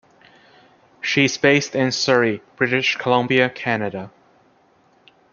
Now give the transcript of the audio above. She is based in Surrey, British Columbia, Canada.